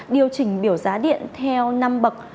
điều chỉnh biểu giá điện theo năm bậc